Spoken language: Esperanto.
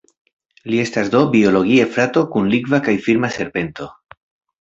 Li estas do "biologie" frato kun Likva kaj Firma serpento.